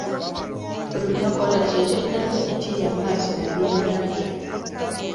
Olunokola kye kyennyanja ekirya amaaso mu by’ennyanja.